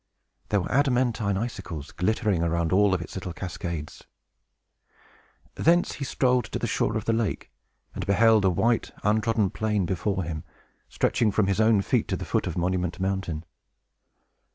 There were adamantine icicles glittering around all its little cascades. Thence he strolled to the shore of the lake, and beheld a white, untrodden plain before him, stretching from his own feet to the foot of Monument Mountain.